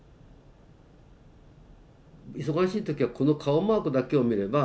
忙しい時はこの顔マークだけを見れば。